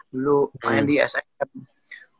dulu main di sm